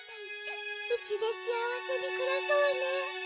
うちでしあわせにくらそうね。